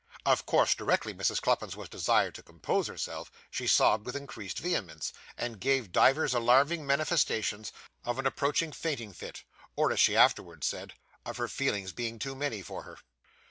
Of course, directly Mrs. Cluppins was desired to compose herself, she sobbed with increased vehemence, and gave divers alarming manifestations of an approaching fainting fit, or, as she afterwards said, of her feelings being too many for her.